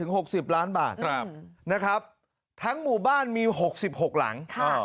นะครับทั้งหมู่บ้านมี๖๖หลัง